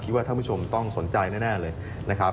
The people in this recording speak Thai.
ว่าท่านผู้ชมต้องสนใจแน่เลยนะครับ